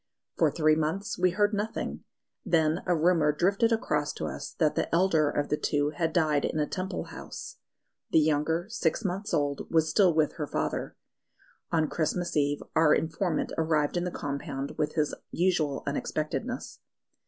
For three months we heard nothing; then a rumour drifted across to us that the elder of the two had died in a Temple house. The younger, six months old, was still with her father. On Christmas Eve our informant arrived in the compound with his usual unexpectedness.